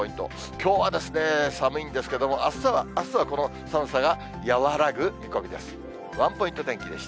きょうは寒いんですけれども、あすはこの寒さが和らぐ見込みです。